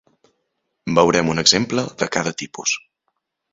Veurem un exemple de cada tipus.